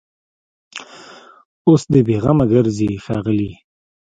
اوس دي بېغمه ګرځي ښاغلي